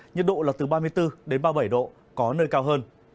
nhiệt độ là từ ba mươi bốn đến ba mươi bảy độ có nơi cao hơn